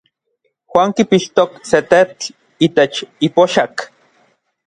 Juan kipixtok se tetl itech ipoxak.